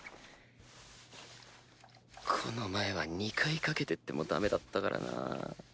この前は２回かけてってもダメだったからな